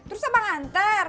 terus apa nganter